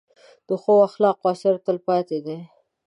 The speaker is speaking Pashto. د ښو اخلاقو اثر تل پاتې دی.